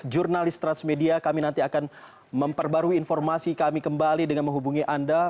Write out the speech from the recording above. jurnalis transmedia kami nanti akan memperbarui informasi kami kembali dengan menghubungi anda